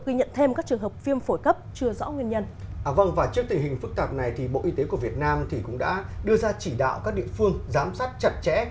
và trước tình hình phức tạp này bộ y tế của việt nam cũng đã đưa ra chỉ đạo các địa phương giám sát chặt chẽ